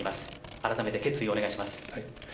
あらためて決意をお願いします。